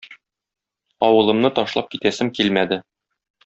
Авылымны ташлап китәсем килмәде.